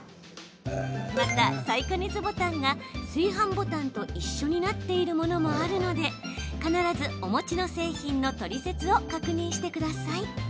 また再加熱ボタンが炊飯ボタンと一緒になっているものもあるので必ずお持ちの製品のトリセツを確認してください。